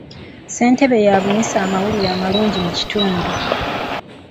Ssentebe yabunyisa amawulire amalungi mu kitundu.